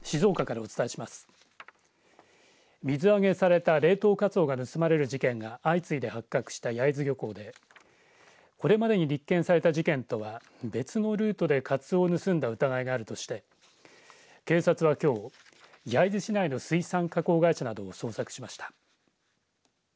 水揚げされた冷凍カツオが盗まれる事件が相次いで発覚した焼津漁港でこれまでに立件された事件とは別のルートでカツオを盗んだ疑いがあるとして警察は、きょう焼津市内の水産加工会社などを捜索しました。